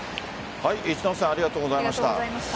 一之瀬さんありがとうございました。